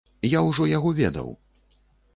Я ўжо яго ведаў!